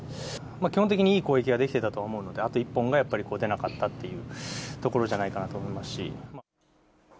基本的にいい攻撃ができていたと思うので、あと一本がやっぱり出なかったというところじゃないかなと思いますし。